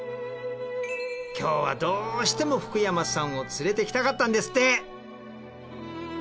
今日はどうしても福山さんを連れてきたかったんですって！